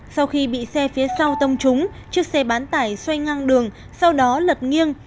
sau khi bị xe phía sau tông trúng chiếc xe bán tải xoay ngang đường sau đó lật nghiêng